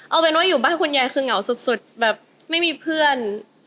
เอาเป็นว่าอยู่บ้านคุณยายคือเหงาสุดแบบไม่มีเพื่อน